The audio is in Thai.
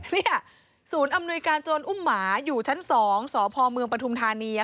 นี่ศูนย์อำนวยการโจรอุ้มหมาอยู่ชั้น๒สพเมืองปฐุมธานี